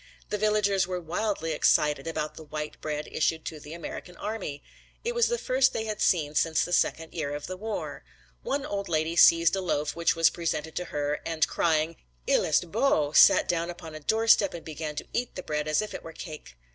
The villagers were wildly excited about the white bread issued to the American army. It was the first they had seen since the second year of the war. One old lady seized a loaf which was presented to her and crying "il est beau," sat down upon a doorstep and began to eat the bread as if it were cake.